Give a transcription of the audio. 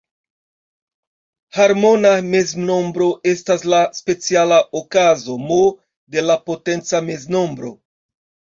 Harmona meznombro estas la speciala okazo "M" de la potenca meznombro.